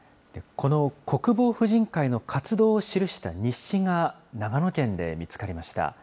この国防婦人会の活動を記した日誌が、長野県で見つかりました。